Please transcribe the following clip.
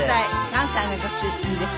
関西のご出身です。